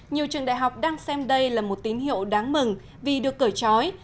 nhiều trường đại học đang xem đây là một tín hiệu đáng mừng vì được cởi trói